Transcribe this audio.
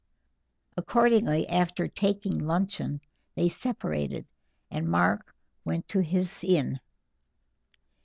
Accordingly, after taking luncheon, they separated, and Mark went to his inn.